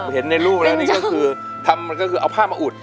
เห็นในรูปแล้วนี่ก็คือทำก็คือเอาผ้ามาอุด